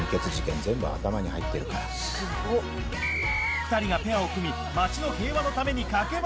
２人がペアを組み街の平和のために駆け回る！